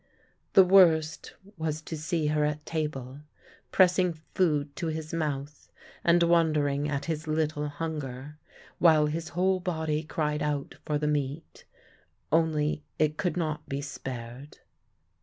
The worst was to see her at table, pressing food to his mouth and wondering at his little hunger; while his whole body cried out for the meat, only it could not be spared.